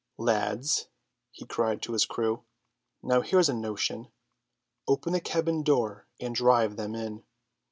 "Lads," he cried to his crew, "now here's a notion. Open the cabin door and drive them in.